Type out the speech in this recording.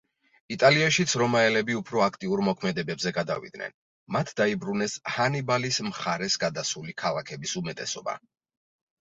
იტალიაშიც რომაელები უფრო აქტიურ მოქმედებებზე გადავიდნენ, მათ დაიბრუნეს ჰანიბალის მხარეს გადასული ქალაქების უმეტესობა.